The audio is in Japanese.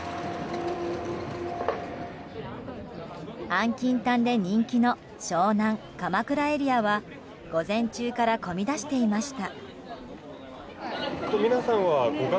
安近短で人気の湘南・鎌倉エリアは午前中から混み出していました。